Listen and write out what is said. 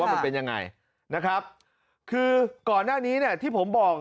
มันเป็นยังไงนะครับคือก่อนหน้านี้เนี่ยที่ผมบอก